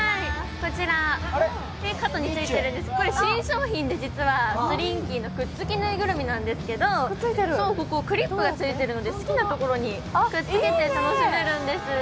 これ肩についています、これ新商品でスリンキーのくっつきぬいぐるみなんですけれども、ここ、クリップがついてるので、好きなところにくっつけて楽しめるんです。